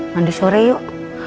mandi sore yuk